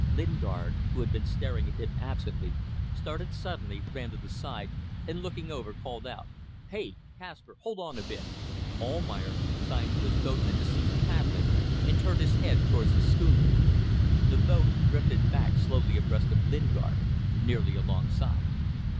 Lingard, who had been staring at him absently, started suddenly, ran to the side, and looking over, called out "Hey! Kaspar! Hold on a bit!" Almayer signed to his boatmen to cease paddling, and turned his head towards the schooner. The boat drifted back slowly abreast of Lingard, nearly alongside.